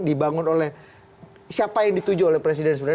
dibangun oleh siapa yang dituju oleh presiden sebenarnya